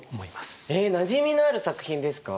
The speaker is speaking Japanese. えなじみのある作品ですか？